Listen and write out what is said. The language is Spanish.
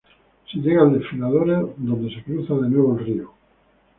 Se llega al desfiladero donde se cruza de nuevo el río.